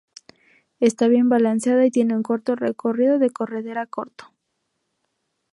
Está bien balanceada y tiene un recorrido de corredera corto.